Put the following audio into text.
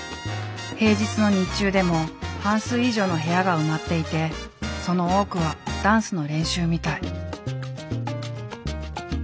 平日の日中でも半数以上の部屋が埋まっていてその多くはダンスの練習みたい。